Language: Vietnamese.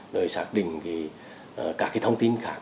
rồi xác định các thông tin khác